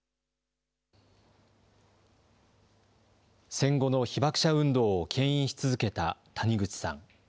戦後の被爆者運動をけん引し続けた谷口さん。